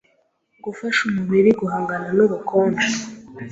gufasha umubiri guhangana n’ubukonje